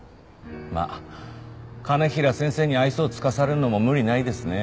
まあ兼平先生に愛想を尽かされるのも無理ないですね。